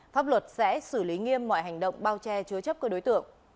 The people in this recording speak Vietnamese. quốc luật sẽ xử lý nghiêm mọi hành động bao che chứa chấp cơ đối tượng